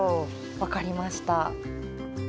分かりました。